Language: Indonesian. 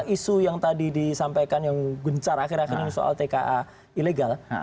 isu yang tadi disampaikan yang gencar akhir akhir ini soal tka ilegal